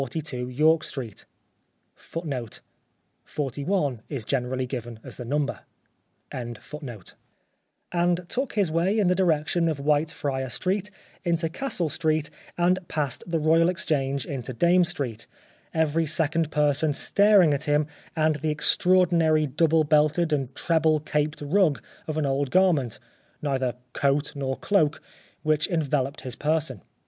42 York Street,^ 1 41 is generally given as the number. 44 \ The Life of Oscar Wilde and took his way in the direction of Whitefriar Street, into Castle Street, and past the Royal Exchange into Dame Street, every second person staring at him and the extraordinary double belted and treble caped rug of an old garment — neither coat nor cloak — which enveloped his person.